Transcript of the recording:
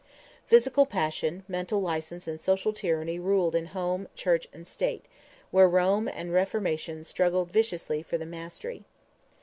Physical passion, mental license and social tyranny ruled in home, church and state, where Rome and Reformation struggled viciously for the mastery.